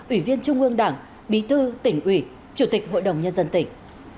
ủy viên trung ương đảng bí thư tỉnh ủy chủ tịch hội đồng nhân dân tỉnh